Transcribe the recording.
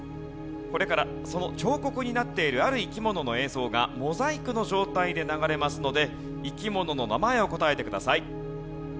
これからその彫刻になっているある生き物の映像がモザイクの状態で流れますので生き物の名前を答えてください。